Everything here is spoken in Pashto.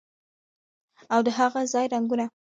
او د هاغه ځای رنګونه